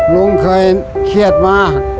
ลุงเคยเครียดมา